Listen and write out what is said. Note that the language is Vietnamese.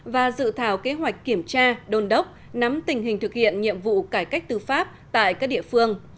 và dự thảo kế hoạch kiểm tra đôn đốc nắm tình hình thực hiện nhiệm vụ cải cách tư pháp tại các địa phương